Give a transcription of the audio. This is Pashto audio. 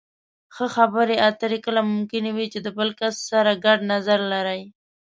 ښه خبرې اترې کله ممکنې وي چې د بل کس سره ګډ نظر لرئ.